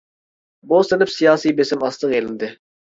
بۇ سىنىپ سىياسىي بېسىم ئاستىغا ئېلىندى.